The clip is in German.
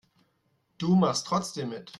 Du machst trotzdem mit.